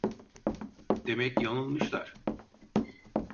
Demek yanılmışlar…